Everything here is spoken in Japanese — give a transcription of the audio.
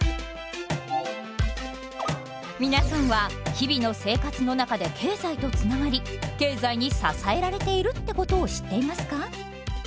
皆さんは日々の生活の中で経済とつながり経済に支えられているってことを知っていますか？